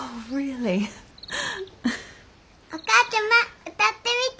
お母ちゃま歌ってみて！